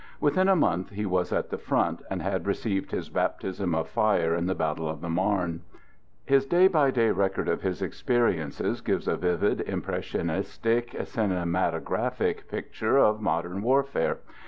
Within a month, he was at the front, and had received his baptism of fire in the Battle of the Marne. His day by day record of his experiences gives a vivid, impressionistic, cine matographic picture of modern warfare.